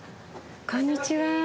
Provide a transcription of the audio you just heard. こんにちは。